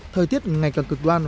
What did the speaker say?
thời tiết ngày càng cực đoan